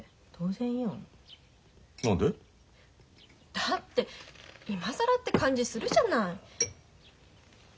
だって今更って感じするじゃない。